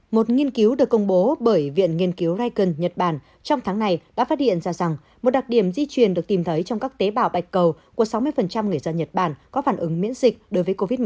một nghiên cứu được công bố bởi viện nghiên cứu rykon nhật bản trong tháng này đã phát hiện ra rằng một đặc điểm di truyền được tìm thấy trong các tế bào bạch cầu của sáu mươi người dân nhật bản có phản ứng miễn dịch đối với covid một mươi chín